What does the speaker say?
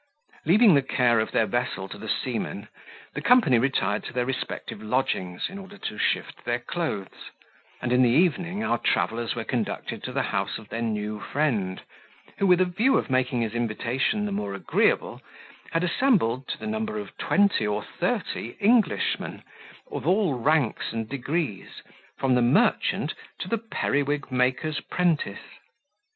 Leaving the care of their vessel to the seamen, the company retired to their respective lodgings, in order to shift their clothes; and in the evening our travellers were conducted to the house of their new friend, who, with a view of making his invitation the more agreeable, had assembled, to the number of twenty or thirty Englishmen, of all ranks and degrees, from the merchant to the periwig maker's prentice.